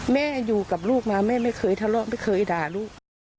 แม่อยู่กับลูกมาแม่ไม่เคยทะเลาะไม่เคยด่าลูก